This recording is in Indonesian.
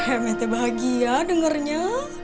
aku bahagia dengarnya